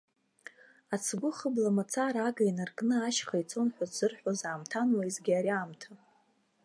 Ацгәы хыбла мацара ага инаркны ашьха ицон ҳәа ззырҳәоз аамҭан уеизгьы ари аамҭа.